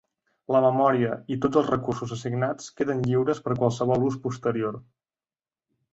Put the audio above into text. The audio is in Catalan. La memòria i tots els recursos assignats queden lliures per qualsevol ús posterior.